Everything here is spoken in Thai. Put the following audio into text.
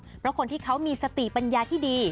เพราะคนที่เขามีสติปัญญาที่ดี